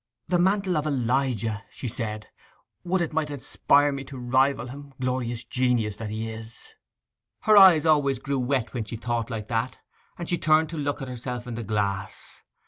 'The mantle of Elijah!' she said. 'Would it might inspire me to rival him, glorious genius that he is!' Her eyes always grew wet when she thought like that, and she turned to look at herself in the glass.